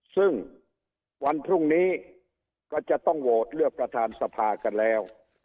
ซึ่งวันพรุ่งนี้ก็จะต้องโหวตเลือกประธานสภากันแล้ว